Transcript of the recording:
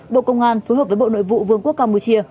bộ công an phối hợp với bộ nội vụ vương quốc campuchia